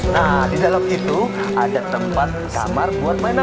nah di dalam itu ada tempat kamar buat mainan